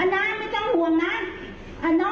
น้องสบายดีเดี๋ยวนี้น้องไปโรงเรียนแล้ว